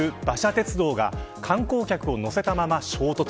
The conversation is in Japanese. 鉄道が観光客を乗せたまま衝突。